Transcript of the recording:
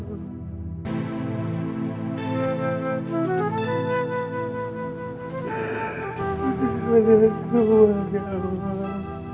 jangan keluar ya allah